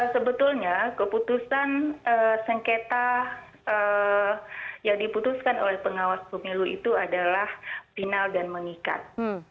sebetulnya keputusan sengketa yang diputuskan oleh pengawas pemilu itu adalah final dan mengikat